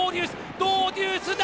ドウデュースだ！